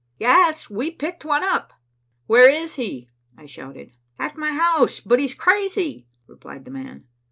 "Yes, we picked one up." "Where is he?" I shouted. "At my house, but he's crazy," replied the man.